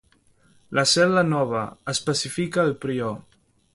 La cel·la nova, especifica el prior.